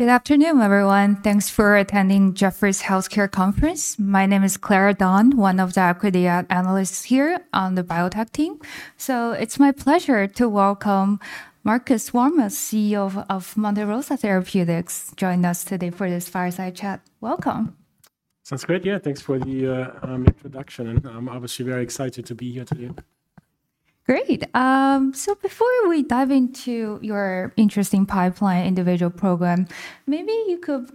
Good afternoon, everyone. Thanks for attending Jeffrey's Healthcare Conference. My name is Clara Dong, one of the academic analysts here on the biotech team. So it's my pleasure to welcome Markus Warmuth, CEO of Monte Rosa Therapeutics, joining us today for this fireside chat. Welcome. Sounds great. Yeah, thanks for the introduction. I'm obviously very excited to be here today. Great. So before we dive into your interesting pipeline individual program, maybe you could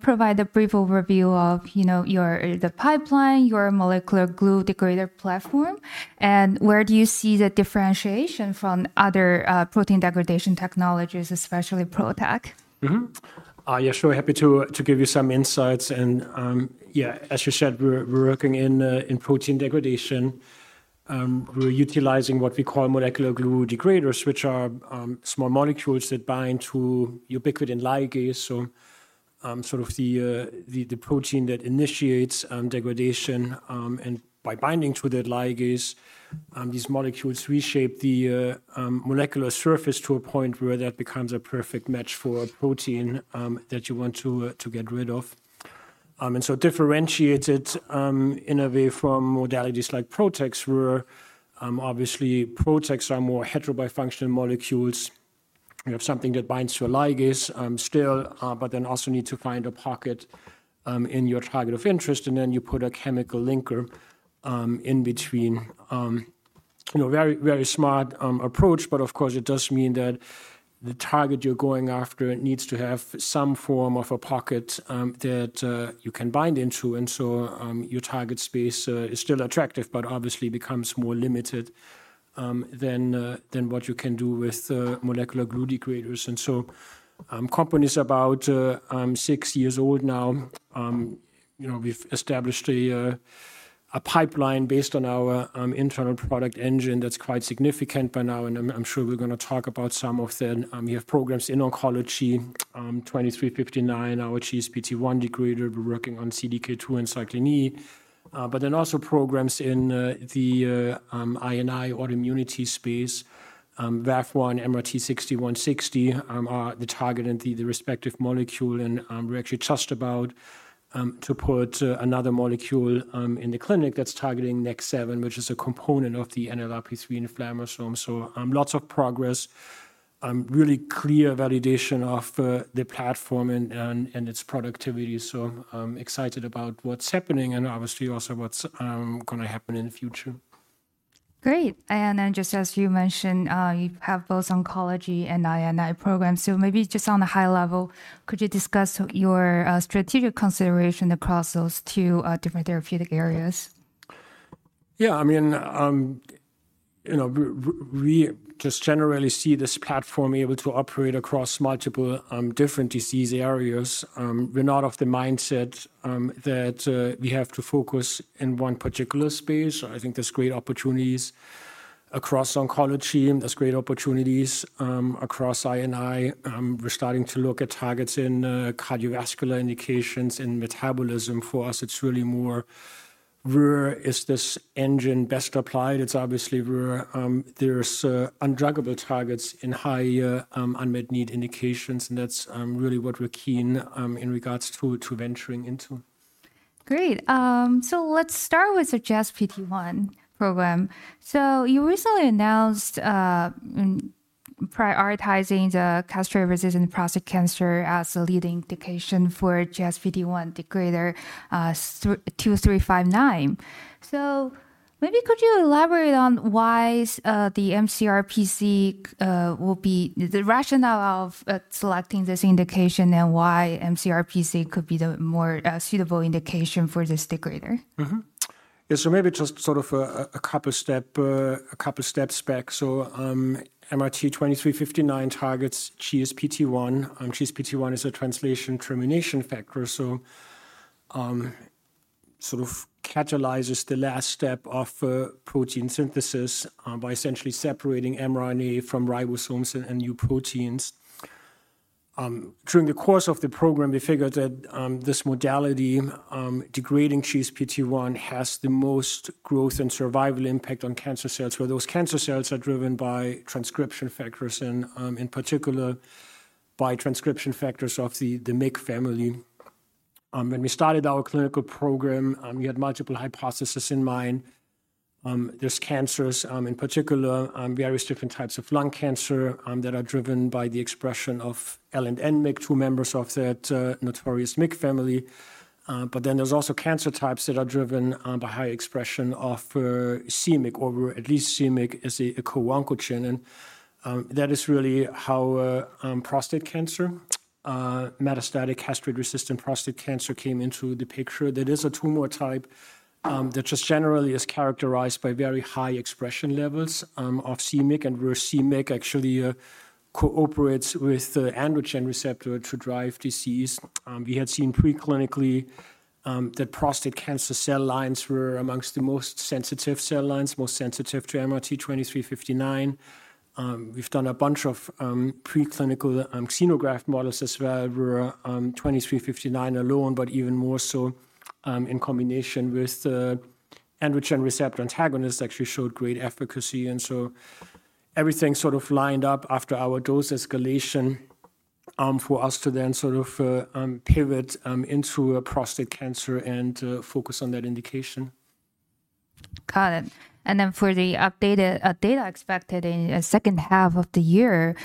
provide a brief overview of your pipeline, your molecular glue degrader platform, and where do you see the differentiation from other protein degradation technologies, especially PROTAC. Yeah, sure. Happy to give you some insights. Yeah, as you said, we're working in protein degradation. We're utilizing what we call molecular glue degraders, which are small molecules that bind to ubiquitin ligase, so sort of the protein that initiates degradation. By binding to the ligase, these molecules reshape the molecular surface to a point where that becomes a perfect match for a protein that you want to get rid of. Differentiated in a way from modalities like PROTACs, where obviously PROTACs are more heterobifunctional molecules. You have something that binds to a ligase still, but then also need to find a pocket in your target of interest, and then you put a chemical linker in between. Very, very smart approach. Of course, it does mean that the target you're going after needs to have some form of a pocket that you can bind into. Your target space is still attractive, but obviously becomes more limited than what you can do with molecular glue degraders. The company is about six years old now. We've established a pipeline based on our internal product engine that's quite significant by now. I'm sure we're going to talk about some of them. We have programs in oncology, 2359, our GSPT1 degrader. We're working on CDK2 and cyclin E1. We also have programs in the autoimmunity space, VAV1, MRT-6160 are the target and the respective molecule. We're actually just about to put another molecule in the clinic that's targeting NEK7, which is a component of the NLRP3 inflammasome. Lots of progress, really clear validation of the platform and its productivity. I'm excited about what's happening and obviously also what's going to happen in the future. Great. Just as you mentioned, you have both oncology and INI programs. Maybe just on a high level, could you discuss your strategic consideration across those two different therapeutic areas? Yeah, I mean, we just generally see this platform able to operate across multiple different disease areas. We're not of the mindset that we have to focus in one particular space. I think there's great opportunities across oncology. There's great opportunities across INI. We're starting to look at targets in cardiovascular indications and metabolism. For us, it's really more, where is this engine best applied? It's obviously where there's undruggable targets in high unmet need indications. That's really what we're keen in regards to venturing into. Great. Let's start with the GSPT1 program. You recently announced prioritizing the castrate-resistant prostate cancer as a leading indication for the GSPT1 degrader, 2359. Maybe could you elaborate on why the mCRPC will be the rationale of selecting this indication and why mCRPC could be the more suitable indication for this degrader? Yeah, so maybe just sort of a couple of steps back. MRT-2359 targets GSPT1. GSPT1 is a translation termination factor, so sort of catalyzes the last step of protein synthesis by essentially separating mRNA from ribosomes and new proteins. During the course of the program, we figured that this modality degrading GSPT1 has the most growth and survival impact on cancer cells, where those cancer cells are driven by transcription factors and in particular by transcription factors of the MYC family. When we started our clinical program, we had multiple hypotheses in mind. There are cancers, in particular, various different types of lung cancer that are driven by the expression of L-MYC and N-MYC, two members of that notorious MYC family. There are also cancer types that are driven by high expression of c-MYC, or at least c-MYC is a co-oncogene. That is really how prostate cancer, metastatic castrate-resistant prostate cancer, came into the picture. That is a tumor type that generally is characterized by very high expression levels of c-MYC, and where c-MYC actually cooperates with the androgen receptor to drive disease. We had seen preclinically that prostate cancer cell lines were among the most sensitive cell lines, most sensitive to MRT-2359. We have done a bunch of preclinical xenograft models as well where 2359 alone, but even more so in combination with the androgen receptor antagonist, actually showed great efficacy. Everything sort of lined up after our dose escalation for us to then sort of pivot into prostate cancer and focus on that indication. Got it. For the updated data expected in the second half of the year,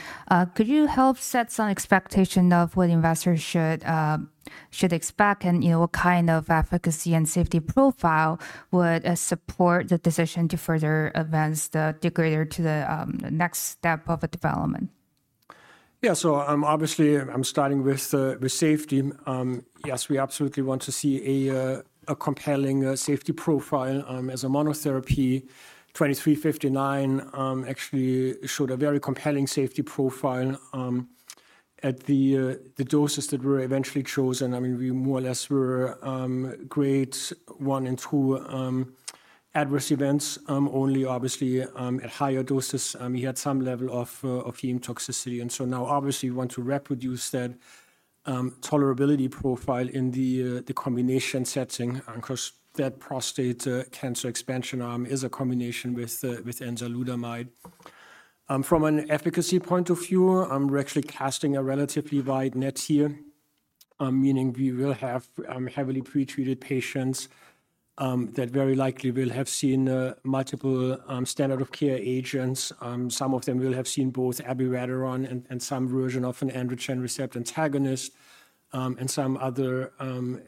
could you help set some expectation of what investors should expect and what kind of efficacy and safety profile would support the decision to further advance the degrader to the next step of development? Yeah, so obviously I'm starting with safety. Yes, we absolutely want to see a compelling safety profile as a monotherapy. 2359 actually showed a very compelling safety profile at the doses that were eventually chosen. I mean, we more or less were grades one and two adverse events only, obviously at higher doses. We had some level of heme toxicity. Now obviously we want to reproduce that tolerability profile in the combination setting because that prostate cancer expansion arm is a combination with enzalutamide. From an efficacy point of view, we're actually casting a relatively wide net here, meaning we will have heavily pretreated patients that very likely will have seen multiple standard of care agents. Some of them will have seen both abiraterone and some version of an androgen receptor antagonist and some other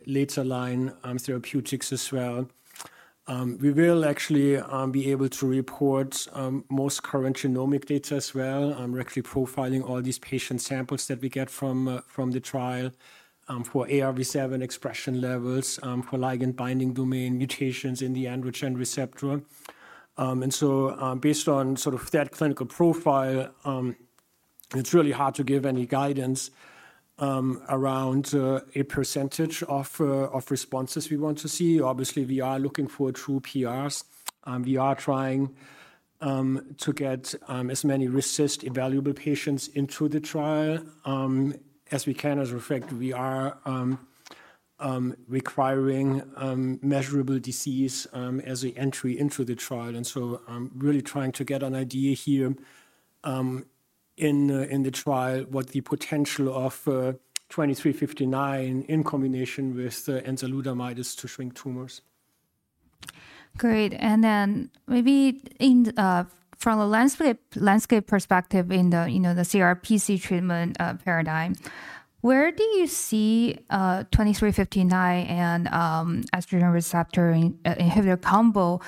later line therapeutics as well. We will actually be able to report most current genomic data as well, actually profiling all these patient samples that we get from the trial for AR-V7 expression levels, for Ligand Binding Domain mutations in the androgen receptor. Based on sort of that clinical profile, it's really hard to give any guidance around a % of responses we want to see. Obviously, we are looking for true PRs. We are trying to get as many RECIST evaluable patients into the trial as we can. As a result, we are requiring measurable disease as an entry into the trial. We are really trying to get an idea here in the trial what the potential of 2359 in combination with enzalutamide is to shrink tumors. Great. And then maybe from a landscape perspective in the CRPC treatment paradigm, where do you see 2359 and estrogen receptor inhibitor combo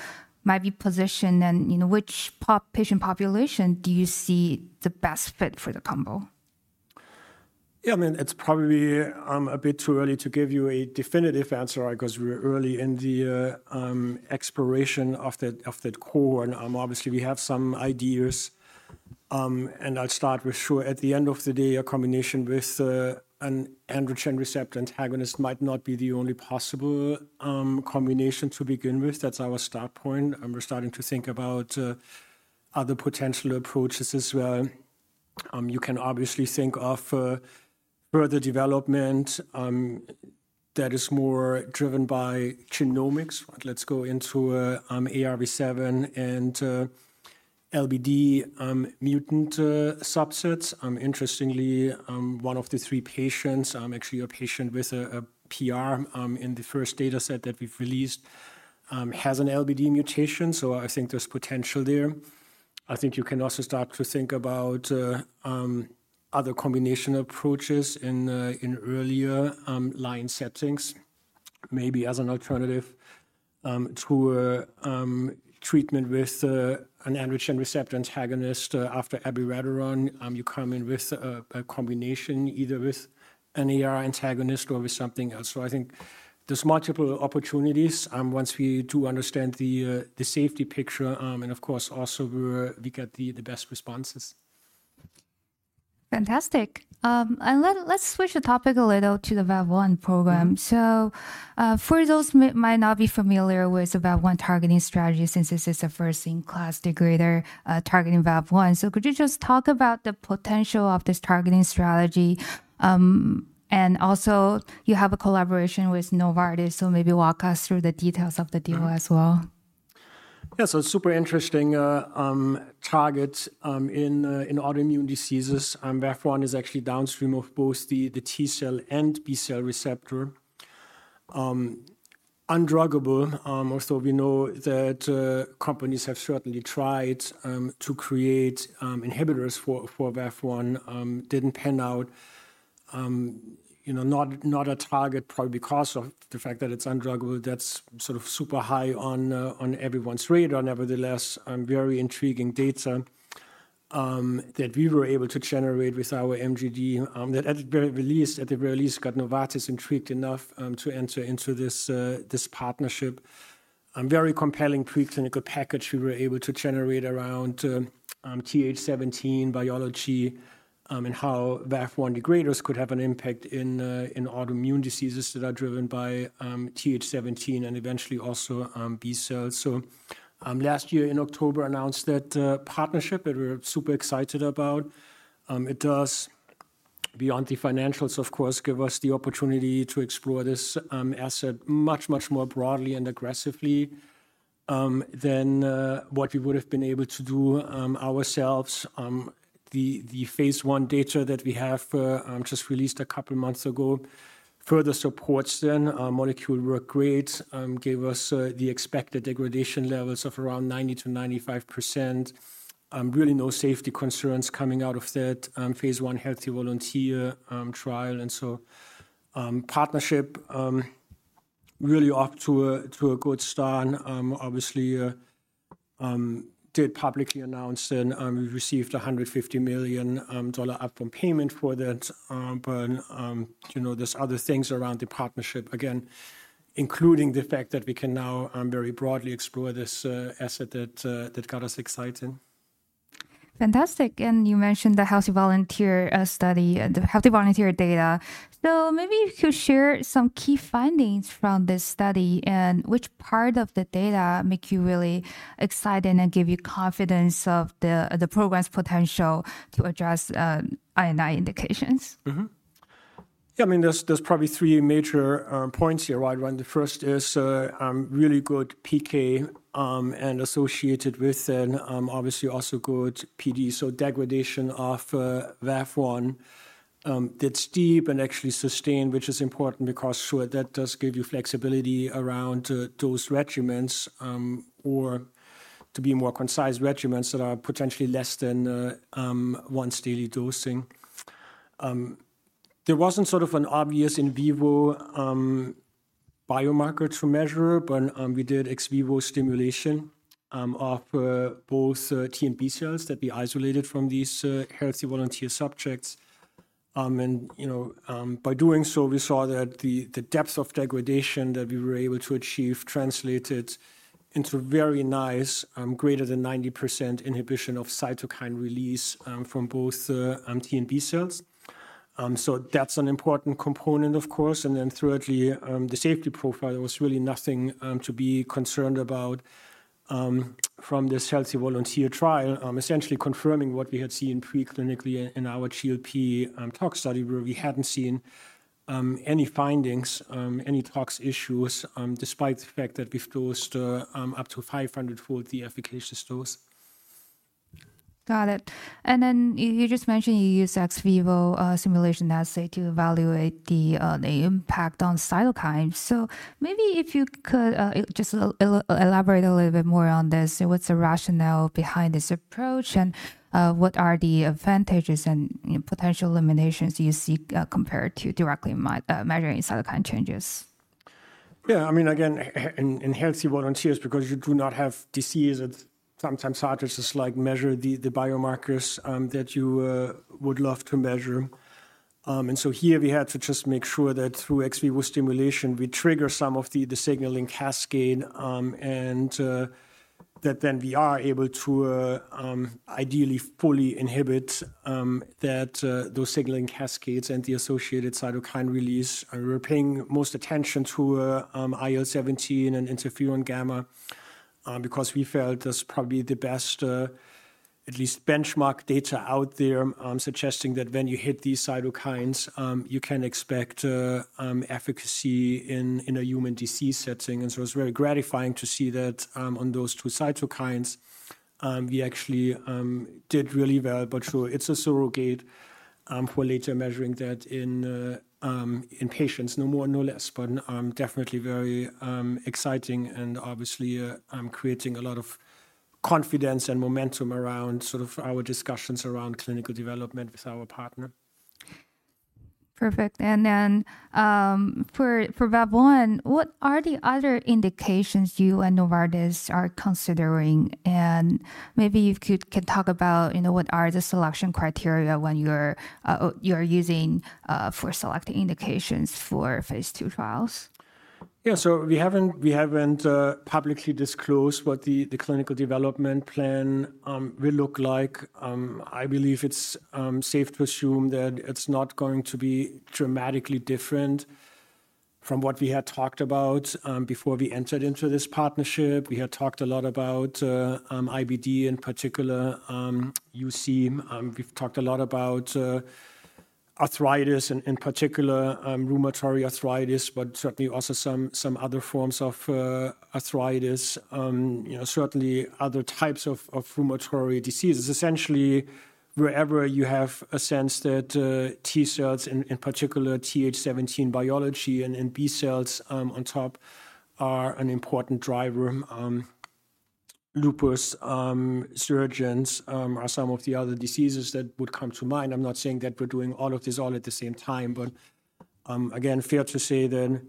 might be positioned, and which patient population do you see the best fit for the combo? Yeah, I mean, it's probably a bit too early to give you a definitive answer because we're early in the exploration of that core. Obviously, we have some ideas. I'll start with, sure, at the end of the day, a combination with an androgen receptor antagonist might not be the only possible combination to begin with. That's our start point. We're starting to think about other potential approaches as well. You can obviously think of further development that is more driven by genomics. Let's go into AR-V7 and LBD mutant subsets. Interestingly, one of the three patients, actually a patient with a PR in the first data set that we've released, has an LBD mutation. I think there's potential there. I think you can also start to think about other combination approaches in earlier line settings, maybe as an alternative to treatment with an androgen receptor antagonist after abiraterone. You come in with a combination either with an AR antagonist or with something else. I think there's multiple opportunities once we do understand the safety picture and of course also where we get the best responses. Fantastic. Let's switch the topic a little to the VAV1 program. For those who might not be familiar with the VAV1 targeting strategy, since this is a first-in-class degrader targeting VAV1, could you just talk about the potential of this targeting strategy? Also, you have a collaboration with Novartis, so maybe walk us through the details of the deal as well. Yeah, so it's a super interesting target in autoimmune diseases. VAV1 is actually downstream of both the T cell and B cell receptor. Undruggable. Also, we know that companies have certainly tried to create inhibitors for VAV1. Didn't pan out. Not a target probably because of the fact that it's undruggable. That's sort of super high on everyone's radar. Nevertheless, very intriguing data that we were able to generate with our MGD that at the very least, at the very least got Novartis intrigued enough to enter into this partnership. Very compelling preclinical package we were able to generate around TH17 biology and how VAV1 degraders could have an impact in autoimmune diseases that are driven by TH17 and eventually also B cells. Last year in October announced that partnership that we're super excited about. It does, beyond the financials, of course, give us the opportunity to explore this asset much, much more broadly and aggressively than what we would have been able to do ourselves. The phase I data that we have just released a couple of months ago further supports that. Molecule worked great, gave us the expected degradation levels of around 90-95%. Really no safety concerns coming out of that phase I healthy volunteer trial. The partnership is really off to a good start. Obviously, we did publicly announce and we received $150 million upfront payment for that. There are other things around the partnership, again, including the fact that we can now very broadly explore this asset that got us excited. Fantastic. You mentioned the healthy volunteer study, the healthy volunteer data. Maybe you could share some key findings from this study and which part of the data make you really excited and give you confidence of the program's potential to address INI indications? Yeah, I mean, there's probably three major points here, right? The first is really good PK and associated with it, obviously also good PD. Degradation of VAV1 that's deep and actually sustained, which is important because sure, that does give you flexibility around dose regimens or, to be more concise, regimens that are potentially less than once daily dosing. There wasn't sort of an obvious in vivo biomarker to measure, but we did ex vivo stimulation of both T and B cells that we isolated from these healthy volunteer subjects. By doing so, we saw that the depth of degradation that we were able to achieve translated into very nice, greater than 90% inhibition of cytokine release from both T and B cells. That's an important component, of course. Thirdly, the safety profile, there was really nothing to be concerned about from this healthy volunteer trial, essentially confirming what we had seen preclinically in our GLP tox study where we had not seen any findings, any tox issues despite the fact that we have dosed up to 500-fold the efficacious dose. Got it. You just mentioned you use ex vivo simulation assay to evaluate the impact on cytokines. Maybe if you could just elaborate a little bit more on this, what's the rationale behind this approach and what are the advantages and potential limitations you see compared to directly measuring cytokine changes? Yeah, I mean, again, in healthy volunteers, because you do not have disease, sometimes scientists just like measure the biomarkers that you would love to measure. Here we had to just make sure that through ex vivo stimulation, we trigger some of the signaling cascade and that then we are able to ideally fully inhibit those signaling cascades and the associated cytokine release. We were paying most attention to IL-17 and interferon gamma because we felt this is probably the best, at least benchmark data out there suggesting that when you hit these cytokines, you can expect efficacy in a human disease setting. It was very gratifying to see that on those two cytokines. We actually did really well, but sure, it's a surrogate for later measuring that in patients, no more and no less, but definitely very exciting and obviously creating a lot of confidence and momentum around sort of our discussions around clinical development with our partner. Perfect. For VAV1, what are the other indications you and Novartis are considering? Maybe you can talk about what are the selection criteria when you're using for selecting indications for phase two trials? Yeah, so we haven't publicly disclosed what the clinical development plan will look like. I believe it's safe to assume that it's not going to be dramatically different from what we had talked about before we entered into this partnership. We had talked a lot about IBD in particular, you see. We've talked a lot about arthritis in particular, rheumatoid arthritis, but certainly also some other forms of arthritis, certainly other types of rheumatoid diseases. Essentially, wherever you have a sense that T cells in particular, TH17 biology and B cells on top are an important driver, lupus, Sjögren's are some of the other diseases that would come to mind. I'm not saying that we're doing all of this all at the same time, but again, fair to say that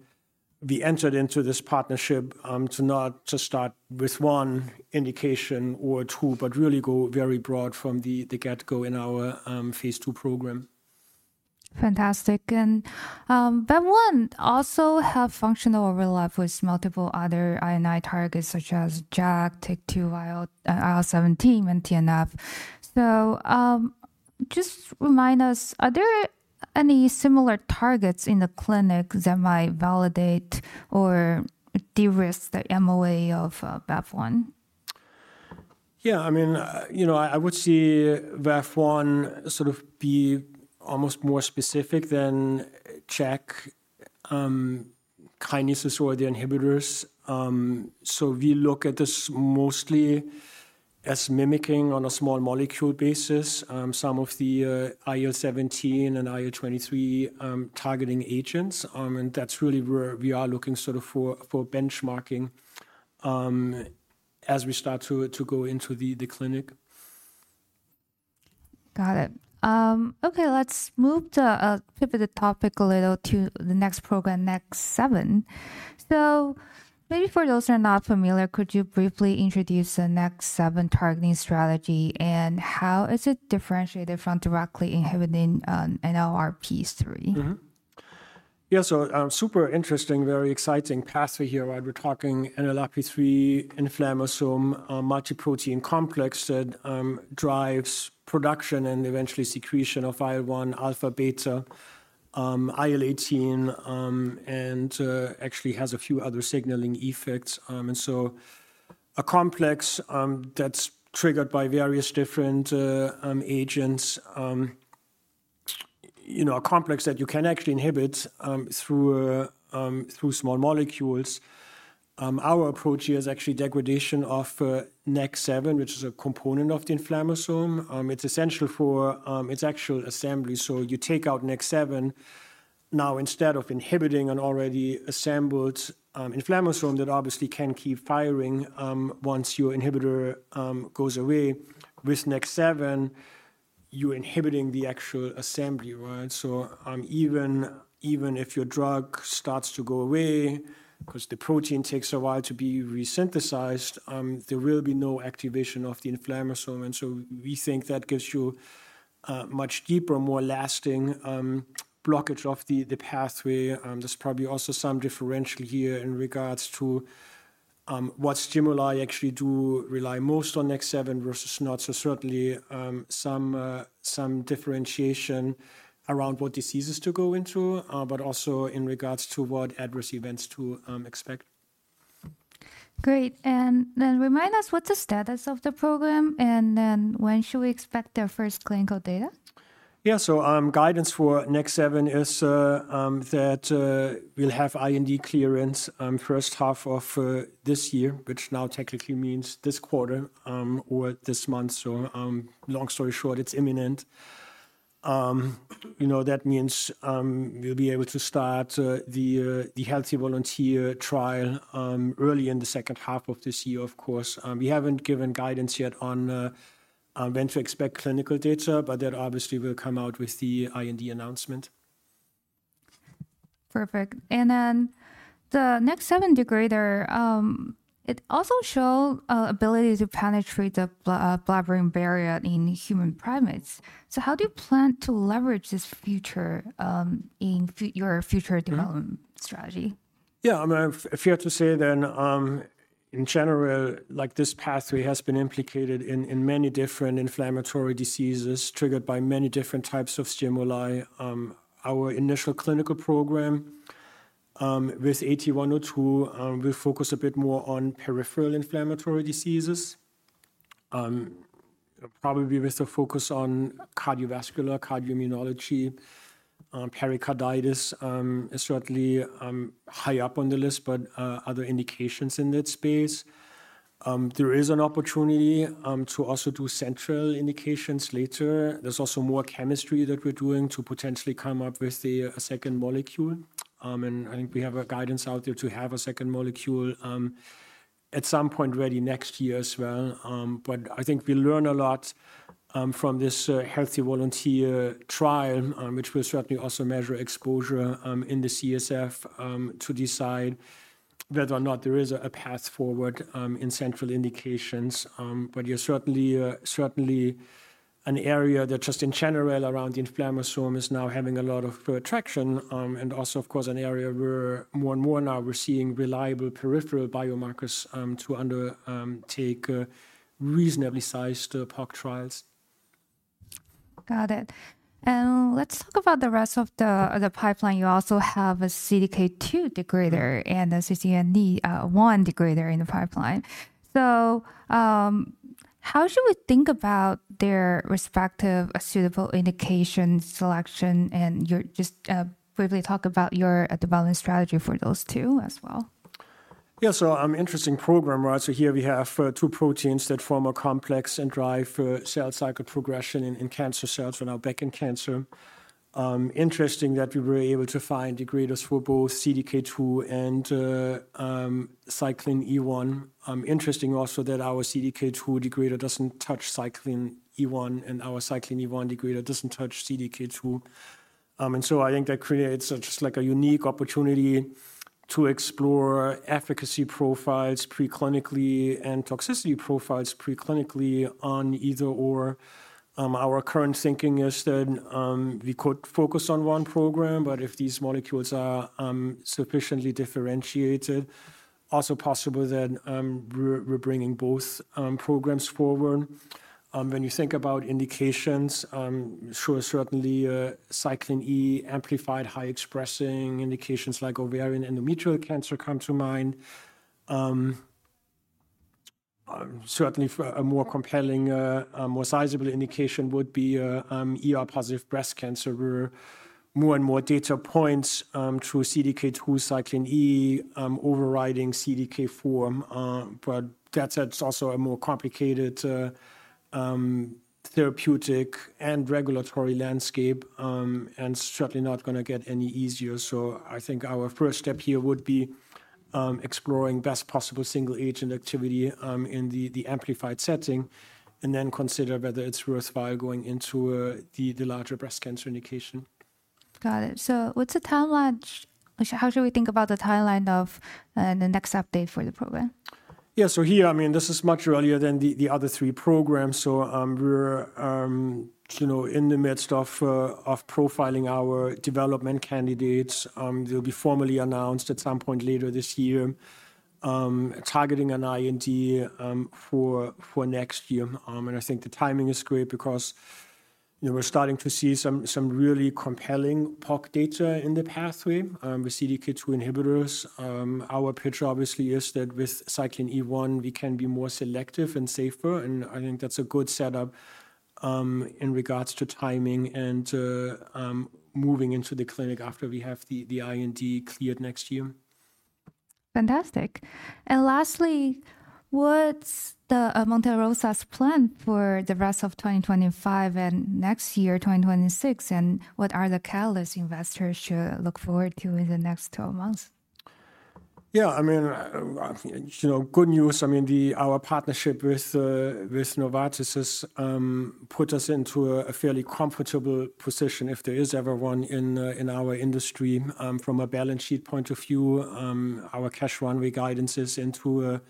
we entered into this partnership to not just start with one indication or two, but really go very broad from the get-go in our phase two program. Fantastic. VAV1 also has functional overlap with multiple other immune targets such as JAK, TIG2, IL-17, and TNF. Just remind us, are there any similar targets in the clinic that might validate or de-risk the MOA of VAV1? Yeah, I mean, you know I would see VAV1 sort of be almost more specific than JAK kinases or the inhibitors. We look at this mostly as mimicking on a small molecule basis, some of the IL-17 and IL-23 targeting agents. That is really where we are looking sort of for benchmarking as we start to go into the clinic. Got it. Okay, let's move to pivot the topic a little to the next program, MRT-8102. So maybe for those who are not familiar, could you briefly introduce the MRT-8102 targeting strategy and how is it differentiated from directly inhibiting NLRP3? Yeah, so super interesting, very exciting pathway here. We're talking NLRP3 inflammasome multiprotein complex that drives production and eventually secretion of IL-1 alpha, beta, IL-18, and actually has a few other signaling effects. A complex that's triggered by various different agents, a complex that you can actually inhibit through small molecules. Our approach here is actually degradation of NEK7, which is a component of the inflammasome. It's essential for its actual assembly. You take out NEK7 now instead of inhibiting an already assembled inflammasome that obviously can keep firing once your inhibitor goes away. With NEK7, you're inhibiting the actual assembly, right? Even if your drug starts to go away, because the protein takes a while to be resynthesized, there will be no activation of the inflammasome. We think that gives you a much deeper, more lasting blockage of the pathway. There's probably also some differential here in regards to what stimuli actually do rely most on NEK7 versus not. Certainly some differentiation around what diseases to go into, but also in regards to what adverse events to expect. Great. Remind us, what's the status of the program and when should we expect their first clinical data? Yeah, so guidance for MRT-8102 is that we'll have IND clearance first half of this year, which now technically means this quarter or this month. Long story short, it's imminent. That means we'll be able to start the healthy volunteer trial early in the second half of this year, of course. We haven't given guidance yet on when to expect clinical data, but that obviously will come out with the IND announcement. Perfect. The NEK7 degrader, it also shows ability to penetrate the blood-brain barrier in human primates. How do you plan to leverage this feature in your future development strategy? Yeah, I mean, fair to say then in general, like this pathway has been implicated in many different inflammatory diseases triggered by many different types of stimuli. Our initial clinical program with 8102 will focus a bit more on peripheral inflammatory diseases, probably with a focus on cardiovascular, cardiovascular immunology, pericarditis is certainly high up on the list, but other indications in that space. There is an opportunity to also do central indications later. There is also more chemistry that we're doing to potentially come up with a second molecule. I think we have a guidance out there to have a second molecule at some point ready next year as well. I think we learn a lot from this healthy volunteer trial, which will certainly also measure exposure in the CSF to decide whether or not there is a path forward in central indications. You're certainly an area that just in general around the inflammasome is now having a lot of traction and also, of course, an area where more and more now we're seeing reliable peripheral biomarkers to undertake reasonably sized POC trials. Got it. Let's talk about the rest of the pipeline. You also have a CDK2 degrader and a CCND1 degrader in the pipeline. How should we think about their respective suitable indication selection? Could you just briefly talk about your development strategy for those two as well. Yeah, so an interesting program, right? Here we have two proteins that form a complex and drive cell cycle progression in cancer cells and now back in cancer. Interesting that we were able to find degraders for both CDK2 and cyclin E1. Interesting also that our CDK2 degrader does not touch cyclin E1 and our cyclin E1 degrader does not touch CDK2. I think that creates just like a unique opportunity to explore efficacy profiles preclinically and toxicity profiles preclinically on either/or. Our current thinking is that we could focus on one program, but if these molecules are sufficiently differentiated, also possible that we are bringing both programs forward. When you think about indications, sure, certainly cyclin E, amplified high expressing indications like ovarian endometrial cancer come to mind. Certainly a more compelling, more sizable indication would be positive breast cancer. We're more and more data points through CDK2 cyclin E overriding CDK4, but that's also a more complicated therapeutic and regulatory landscape and certainly not going to get any easier. I think our first step here would be exploring best possible single agent activity in the amplified setting and then consider whether it's worthwhile going into the larger breast cancer indication. Got it. What's the timeline? How should we think about the timeline of the next update for the program? Yeah, so here, I mean, this is much earlier than the other three programs. We're in the midst of profiling our development candidates. They'll be formally announced at some point later this year, targeting an IND for next year. I think the timing is great because we're starting to see some really compelling POC data in the pathway with CDK2 inhibitors. Our picture obviously is that with cyclin E1, we can be more selective and safer. I think that's a good setup in regards to timing and moving into the clinic after we have the IND cleared next year. Fantastic. Lastly, what's Monte Rosa's plan for the rest of 2025 and next year, 2026? What are the catalysts investors should look forward to in the next 12 months? Yeah, I mean, good news. I mean, our partnership with Novartis has put us into a fairly comfortable position if there is ever one in our industry from a balance sheet point of view. Our cash runway guidance is into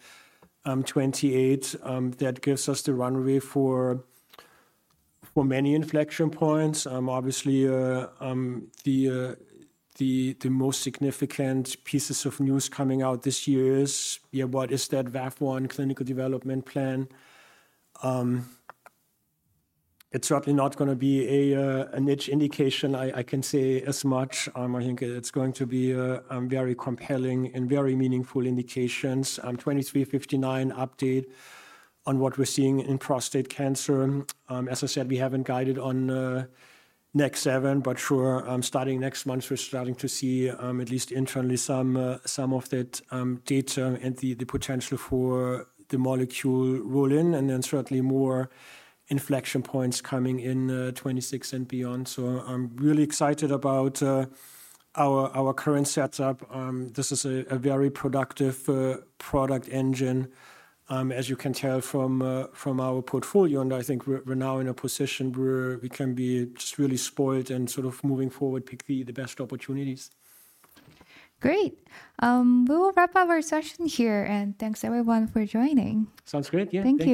2028. That gives us the runway for many inflection points. Obviously, the most significant pieces of news coming out this year is, yeah, what is that VAV1 clinical development plan? It's certainly not going to be a niche indication, I can say as much. I think it's going to be very compelling and very meaningful indications. 2359 update on what we're seeing in prostate cancer. As I said, we haven't guided on MRT-8102, but sure, starting next month, we're starting to see at least internally some of that data and the potential for the molecule roll in and then certainly more inflection points coming in 2026 and beyond. I'm really excited about our current setup. This is a very productive product engine, as you can tell from our portfolio. I think we're now in a position where we can be just really spoiled and sort of moving forward, pick the best opportunities. Great. We will wrap up our session here. Thanks everyone for joining. Sounds great. Yeah. Thank you.